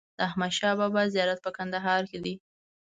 د احمد شا بابا زیارت په کندهار کی دی